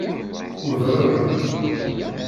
Udren-d.